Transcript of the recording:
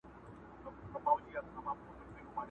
خپل گرېوان او خپل وجدان ته ملامت سو.!